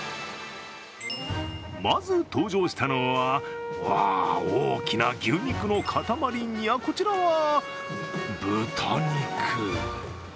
まず登場したのは、大きな牛肉の塊に、こちらは豚肉。